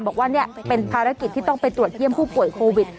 บอกว่านี่เป็นภารกิจที่ต้องไปตรวจเยี่ยมผู้ป่วยโควิด